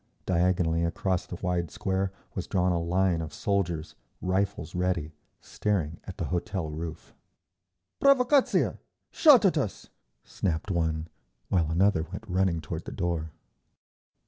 Diagonally across the wide square was drawn a line of soldiers, rifles ready, staring at the hotel roof. "Provacatzia! Shot at us!" snapped one, while another went running toward the door.